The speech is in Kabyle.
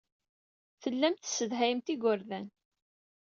Tellamt tessedhayemt igerdan.